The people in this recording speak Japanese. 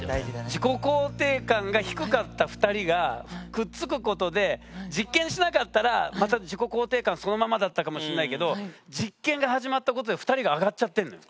自己肯定感が低かった２人がくっつくことで実験しなかったらまた自己肯定感そのままだったかもしんないけど実験が始まったことで２人が上がっちゃってんのよ。